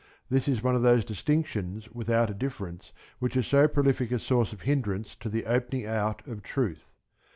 This is one of those distinctions without a difference which are so prolific a source of hindrance to the opening out of truth.